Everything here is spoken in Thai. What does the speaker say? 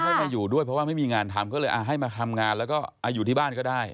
ให้มาอยู่ด้วยเพราะว่าไม่มีงานทำก็เลยให้มาทำงานแล้วก็อยู่ที่บ้านก็ได้